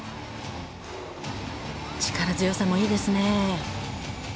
力強さもいいですね。